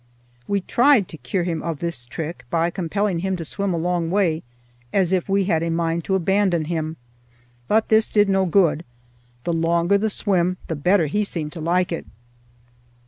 We tried to cure him of this trick by compelling him to swim a long way, as if we had a mind to abandon him; but this did no good: the longer the swim the better he seemed to like it.